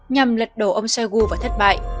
nhằm lật đổ ông shoigu vào thất bại